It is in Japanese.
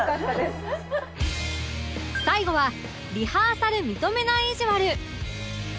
最後はリハーサル認めないいじわる